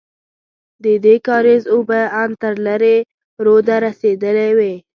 ددې کارېز اوبه ان تر لېرې روده رسېدلې وې.